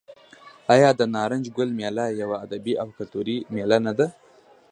آیا د نارنج ګل میله یوه ادبي او کلتوري میله نه ده؟